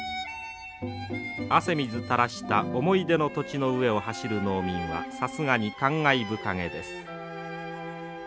汗水たらした思い出の土地の上を走る農民はさすがに感慨深げです。